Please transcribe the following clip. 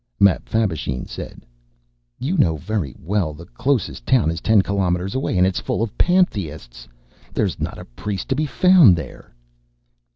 Mapfabvisheen said, "You know very well the closest town is ten kilometers away and it's full of Pantheists. There's not a priest to be found there."